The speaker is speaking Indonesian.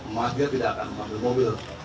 masjid tidak akan ambil mobil